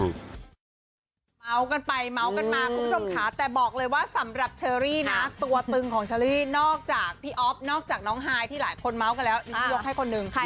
เกาหลีแบบร้อนมาก